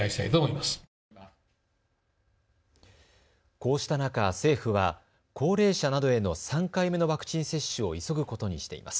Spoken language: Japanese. こうした中、政府は高齢者などへの３回目のワクチン接種を急ぐことにしています。